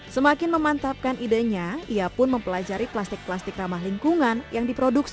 semakin memantapkan idenya ia pun mempelajari plastik plastik ramah lingkungan yang diproduksi